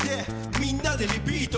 「みんなでリピート！！